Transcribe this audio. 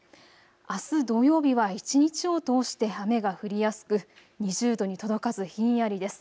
あす土曜日は一日を通して雨が降りやすく２０度に届かずひんやりです。